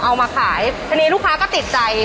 เอามาขายทีนี้ลูกค้าก็ติดใจ